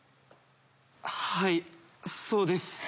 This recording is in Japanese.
はいそうです。